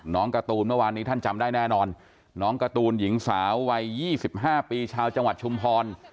การ์ตูนเมื่อวานนี้ท่านจำได้แน่นอนน้องการ์ตูนหญิงสาววัย๒๕ปีชาวจังหวัดชุมพร